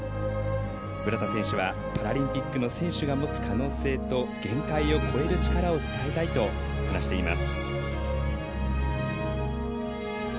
浦田選手は、パラリンピックの選手が持つ可能性と限界を越える力を伝えたいと話しています。